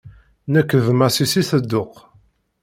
Nekk d Masi si Sedduq.